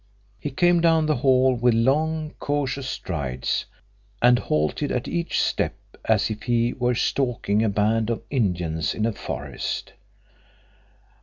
He came down the hall with long cautious strides, and halted at each step as if he were stalking a band of Indians in a forest.